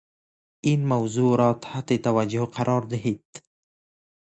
این موضوع راتحت توجه قرار دهید